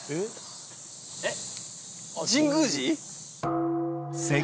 えっ？